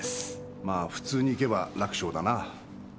まあ普通にいけば楽勝だな。